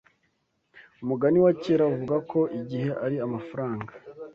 Umugani wa kera uvuga ko igihe ari amafaranga.